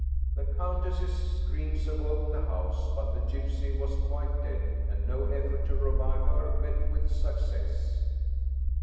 The countess's screams awoke the house, but the gypsy was quite dead and no effort to revive her met with success.